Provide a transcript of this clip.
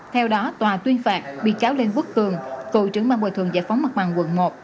theo đó tòa tuyên phạt bị cáo lê quốc cường cựu trưởng ban bồi thường giải phóng mặt bằng quận một